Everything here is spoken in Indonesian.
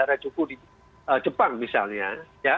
misalnya di harajuku di jepang misalnya